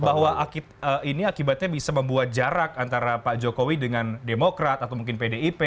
bahwa ini akibatnya bisa membuat jarak antara pak jokowi dengan demokrat atau mungkin pdip